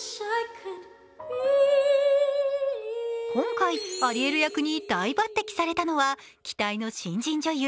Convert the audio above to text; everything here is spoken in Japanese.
今回、アリエル役に大抜てきされたのは期待の新人女優